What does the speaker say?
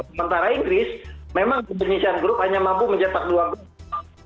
sementara inggris memang indonesian group hanya mampu mencetak dua gol